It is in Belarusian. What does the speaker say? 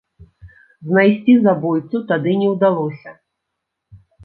Знайсці забойцу тады не ўдалося.